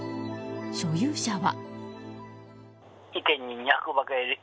所有者は。